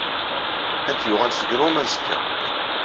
Ad d-yuɣul seg Ṛuma asekka.